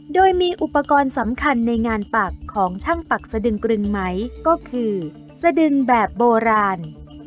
โดยมีอุปกรณ์สำคัญในงานปักของช่างปักสะดึงกรึงไหมก็คือสะดึงแบบโบราณ